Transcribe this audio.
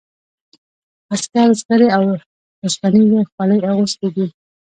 عسکرو زغرې او اوسپنیزې خولۍ اغوستي دي.